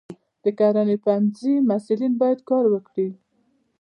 د کرنې پوهنځي محصلین باید کار وکړي.